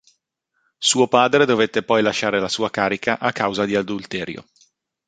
Suo padre dovette poi lasciare la sua carica a causa di adulterio.